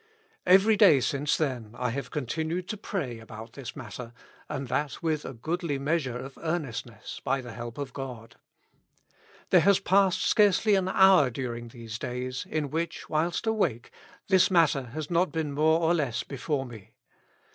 Kvery day since then I have continued to pray about this matter, and that with a goodly measure of earnestness, by the help of God. There has passed scarcely an hour during these days, in which, whilst awake, this matter has not been more or less before me.